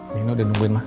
nino udah nungguin ma